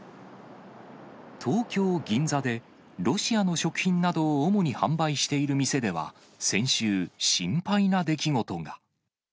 東京・銀座で、ロシアの食品などを主に販売している店では、先週、心配な出来事が。